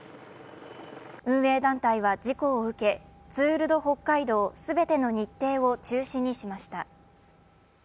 運営団体は事故を受けツール・ド・北海道すべての日程を中止にしました。